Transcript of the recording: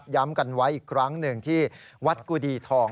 ย้ำกันไว้อีกครั้งหนึ่งที่วัดกุดีทอง